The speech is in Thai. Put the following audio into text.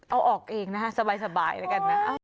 เอาออกเองนะฮะสบายแล้วกันนะ